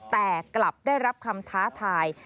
แต่กลับได้รับคำท้าทาย